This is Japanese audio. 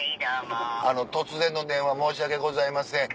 突然の電話申し訳ございません。